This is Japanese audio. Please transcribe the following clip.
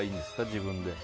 自分で。